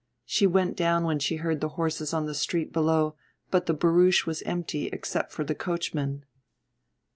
She went down when she heard the horses on the street below but the barouche was empty except for the coachman.